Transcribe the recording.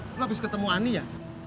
lo abis ketemu ani ya